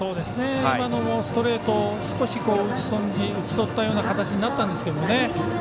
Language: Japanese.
今のもストレート打ち取ったような形になったんですけどね。